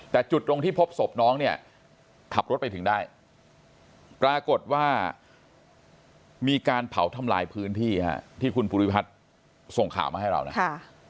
แต่จุดตรงที่พบศพน้องเนี่ยขับรถไปถึงได้ปรากฏว่ามีการเผาทำลายพื้นที่ที่คุณภูริพัฒน์ส่งข่าวมาให้เรานะ